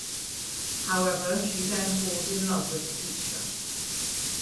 However she then falls in love with the teacher.